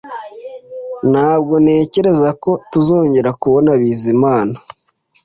Ntabwo ntekereza ko tuzongera kubona Bizimana